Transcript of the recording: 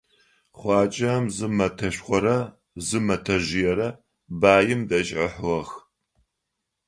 Хъуаджэм зы мэтэшхорэ зы мэтэжъыерэ баим дэжь ыхьыгъэх.